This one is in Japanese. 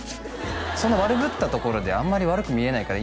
「そんな悪ぶったところであんまり悪く見えないから」